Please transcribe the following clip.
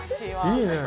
いいね！